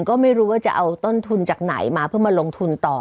ก็ไม่รู้ว่าจะเอาต้นทุนจากไหนมาเพื่อมาลงทุนต่อ